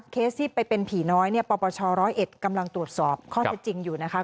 เคสที่ไปเป็นผีน้อยเนี่ยปปชร้อยเอ็ดกำลังตรวจสอบข้อเท็จจริงอยู่นะคะ